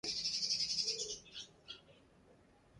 ائيٚݩ الآدين کي ڪيآندي۔